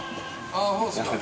あぁそうですか。